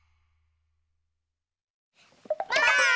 ばあっ！